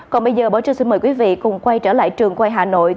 còn bây giờ bỏ chân xin mời quý vị cùng quay trở lại trường quay hà nội